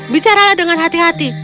bicaralah dengan hati hati